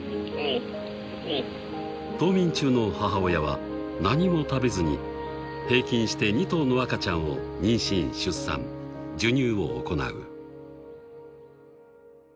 ［冬眠中の母親は何も食べずに平均して２頭の赤ちゃんを妊娠出産授乳を行う］